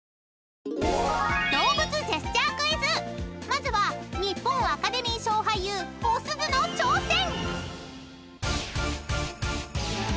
［まずは日本アカデミー賞俳優おすずの挑戦！］